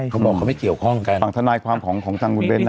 เขาบอกเขาไม่เกี่ยวข้องกันฝั่งทนายความของของทางคุณเบ้นนะ